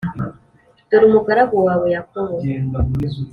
dore umugaragu wawe Yakobo